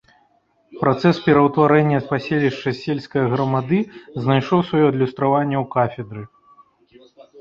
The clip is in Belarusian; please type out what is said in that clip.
Працэс пераўтварэння паселішча з сельскае грамады знайшоў сваё адлюстраванне ў кафедры.